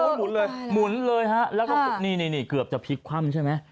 หมุนเลยหมุนเลยฮะแล้วก็นี่นี่เกือบจะพลิกคว่ำใช่ไหม